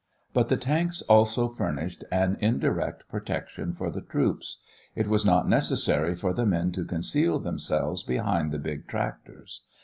But the tanks also furnished an indirect protection for the troops. It was not necessary for the men to conceal themselves behind the big tractors.